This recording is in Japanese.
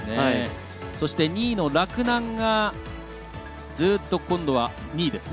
そして２位の洛南がずっと、今度は２位ですね。